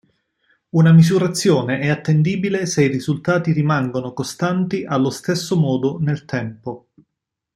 Una misurazione è attendibile se i risultati rimangono costanti allo stesso modo nel tempo.